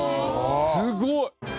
すごい！